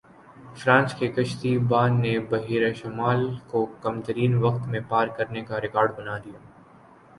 France کے کشتی بان نے بحیرہ شمال کو کم ترین وقت میں پار کرنے کا ریکارڈ بنا دیا